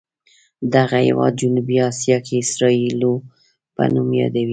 دغه هېواد جنوبي اسیا کې اسرائیلو په نوم یادوي.